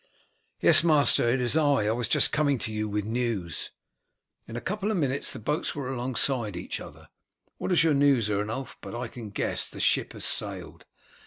"Yes, master, it is I; I was just coming to you with news." In a couple of minutes the boats were alongside of each other. "What is your news, Ernulf? But I can guess; the ship has sailed."